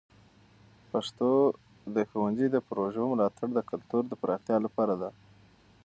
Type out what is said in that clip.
پښتو د ښونځي د پروژو ملاتړ د کلتور د پراختیا لپاره ده.